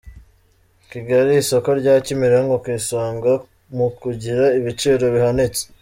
Kigali Isoko rya Kimironko ku isonga mu kugira ibiciro bihanitse